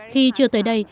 khi chưa tới đây